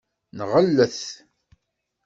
Nɣellet.